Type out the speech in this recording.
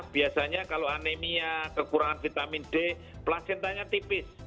biasanya kalau anemia kekurangan vitamin d placentanya tipis